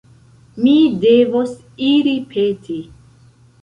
Mi devos iri peti!